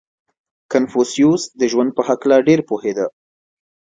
• کنفوسیوس د ژوند په هکله ډېر پوهېده.